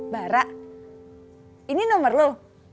bara ini nomer lu